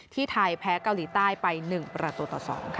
ไทยแพ้เกาหลีใต้ไป๑ประตูต่อ๒ค่ะ